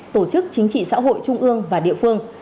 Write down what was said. tổ chức chính trị xã hội trung ương và địa phương